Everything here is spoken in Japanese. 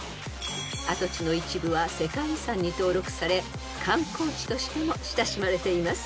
［跡地の一部は世界遺産に登録され観光地としても親しまれています］